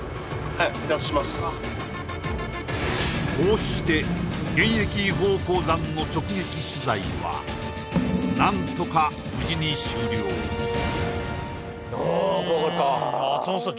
はいこうして現役違法鉱山の直撃取材は何とか無事に終了あー怖かった松本さん